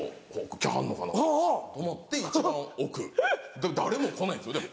来はんのかなと思って一番奥誰も来ないんですよでも。